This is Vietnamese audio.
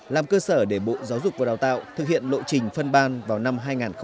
làm cơ sở để bộ giáo dục và đào tạo thực hiện lộ trình phân ban vào năm hai nghìn hai mươi